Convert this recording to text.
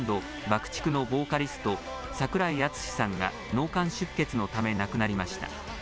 ーＴＩＣＫのボーカリスト、櫻井敦司さんが、脳幹出血のため亡くなりました。